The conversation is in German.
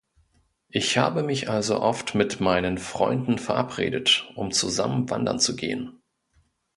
Ich habe mich also oft mit meinen Freunden verabredet, um zusammen wandern zu gehen.